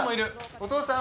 お父さん。